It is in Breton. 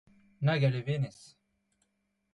Nag a levenez !